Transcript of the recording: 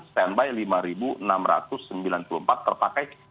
standby lima enam ratus sembilan puluh empat terpakai tiga empat ratus sembilan puluh dua